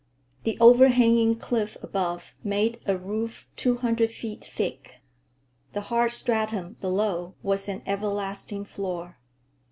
The over hanging cliff above made a roof two hundred feet thick. The hard stratum below was an everlasting floor.